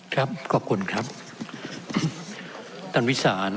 ครับขอบคุณครับ